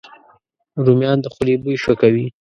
رومیان د خولې بوی ښه کوي